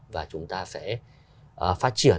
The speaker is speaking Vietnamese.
và chúng ta sẽ phát triển